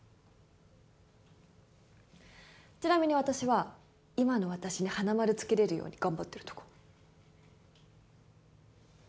ちなみに私は今の私に花丸つけれるように頑張ってるとこ